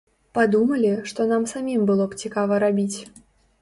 Падумалі, што нам самім было б цікава рабіць.